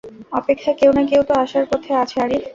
অপেক্ষা কেউ না কেউ তো আসার পথে আছে আরিফ!